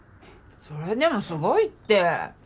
それでもすごいって。